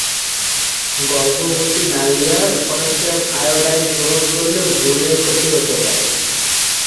গর্ভবতী নারীরা potassium iodide গ্রহণ করলে ভ্রূণের ক্ষতি হতে পারে।